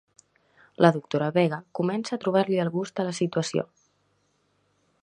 La doctora Vega comença a trobar-li el gust a la situació.